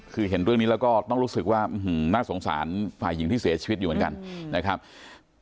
คือเห็นเรื่องนี้แล้วก็ต้องรู้สึกว่าน่าสงสารฝ่ายหญิงที่เสียชีวิตอยู่เหมือนกันนะครับ